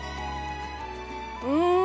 うん。